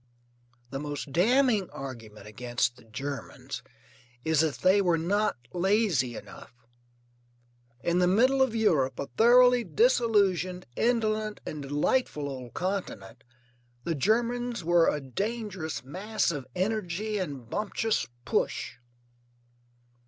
The most damning argument against the Germans is that they were not lazy enough. In the middle of Europe, a thoroughly disillusioned, indolent and delightful old continent, the Germans were a dangerous mass of energy and bumptious push.